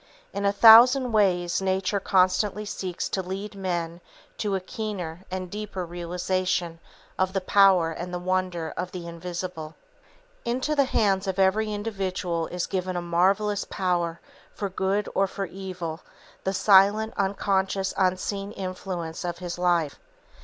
In a thousand ways Nature constantly seeks to lead men to a keener and deeper realization of the power and the wonder of the invisible. Into the hands of every individual is given a marvellous power for good or for evil, the silent, unconscious, unseen influence of his life.